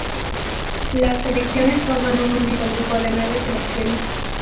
Las selecciones forman un único grupo de nueves selecciones.